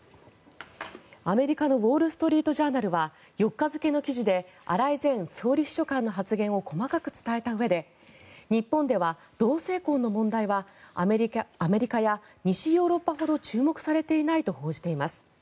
アメリカのウォール・ストリート・ジャーナルは４日付の記事で荒井前総理秘書官の発言を細かく伝えたうえで日本では同性婚の問題はアメリカや西ヨーロッパほど注目されていないと報じています。